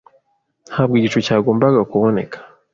Ntabwo igicu cyagombaga kuboneka.